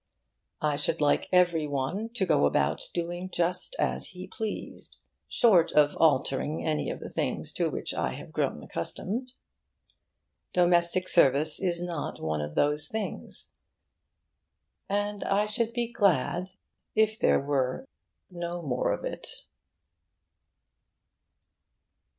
I should like every one to go about doing just as he pleased short of altering any of the things to which I have grown accustomed. Domestic service is not one of those things, and I should be glad were there no more of it.